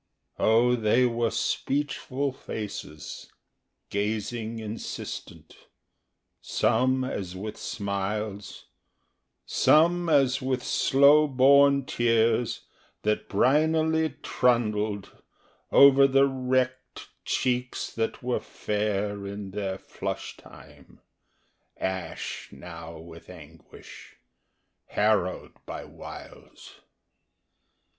O they were speechful faces, gazing insistent, Some as with smiles, Some as with slow born tears that brinily trundled Over the wrecked Cheeks that were fair in their flush time, ash now with anguish, Harrowed by wiles.